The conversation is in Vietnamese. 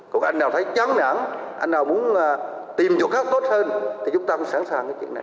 còn anh nào thấy chán nản anh nào muốn tìm chỗ khác tốt hơn thì chúng ta cũng sẵn sàng cái chuyện này